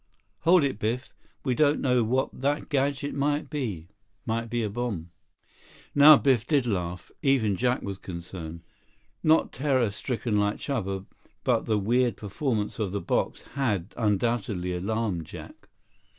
"Hold it, Biff. We don't know what that gadget might be. Might be a bomb." Now Biff did laugh. Even Jack was concerned. Not terror stricken like Chuba, but the weird performance of the box had undoubtedly alarmed Jack.